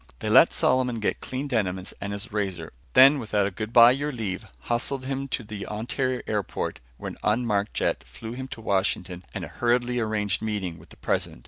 They let Solomon get clean denims and his razor. Then without a bye your leave, hustled him to the Ontario airport where an unmarked jet flew him to Washington and a hurriedly arranged meeting with the President.